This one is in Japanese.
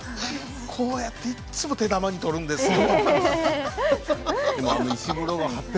こうやっていつも手玉に取るんですよ。